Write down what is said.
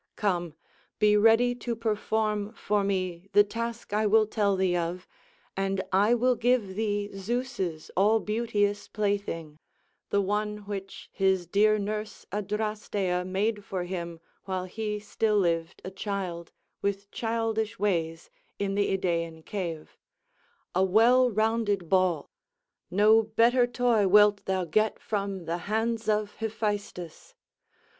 Come, be ready to perform for me the task I will tell thee of, and I will give thee Zeus' all beauteous plaything—the one which his dear nurse Adrasteia made for him, while he still lived a child, with childish ways, in the Idaean cave—a well rounded ball; no better toy wilt thou get from the hands of Hephaestus.